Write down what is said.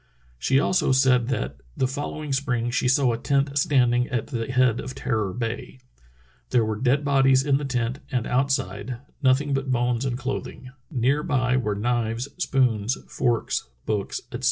She also said that "the following spring she saw a tent standing at the head of Terror Bay. There were dead bodies in the tent and outside — nothing but bones and clothing. Near by were knives, spoons, forks, books, etc."